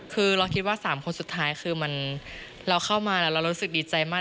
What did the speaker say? คือเราคิดว่า๓คนสุดท้ายคือเราเข้ามาแล้วเรารู้สึกดีใจมาก